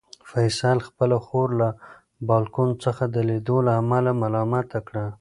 فیصل خپله خور له بالکن څخه د لیدلو له امله ملامته کړه.